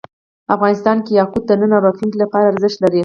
افغانستان کې یاقوت د نن او راتلونکي لپاره ارزښت لري.